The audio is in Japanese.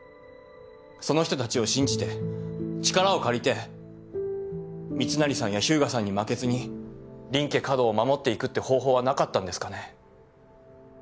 その人たちを信じて力を借りて密成さんや秘羽我さんに負けずに林家華道を守っていくって方法はなかったんですかね。